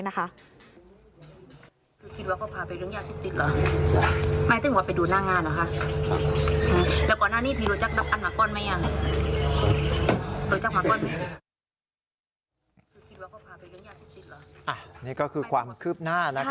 นี่ก็คือความคืบหน้า